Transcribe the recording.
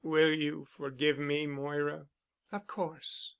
"Will you forgive me, Moira?" "Of course."